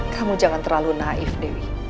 kamu jangan terlalu naif dewi